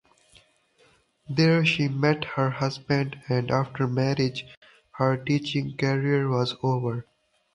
There she met her husband and after marriage her teaching career was over.